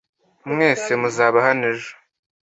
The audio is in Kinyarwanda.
Mwese muzaba hano ejo?